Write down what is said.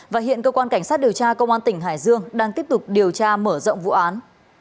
và hiện cơ quan cảnh sát điều tra công an tỉnh hải dương đang tiếp tục điều tra mở rộng vụ án